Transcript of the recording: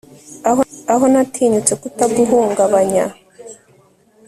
aho natinyutse kutaguhungabanya